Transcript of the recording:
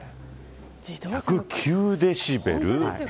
１０９デシベル。